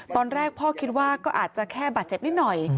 ตอนแรกพ่อคิดว่าก็อาจจะแค่บาดเจ็บนิดหน่อย